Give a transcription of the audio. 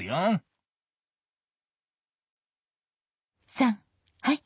さんはい！